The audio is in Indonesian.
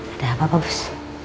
ada apa pak bos